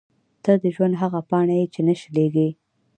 • ته د ژوند هغه پاڼه یې چې نه شلېږي.